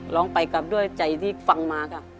ร้องไปกลับด้วยใจที่ฟังมาค่ะ